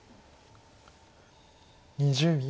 ２０秒。